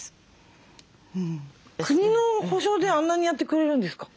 国の保障であんなにやってくれるんですか？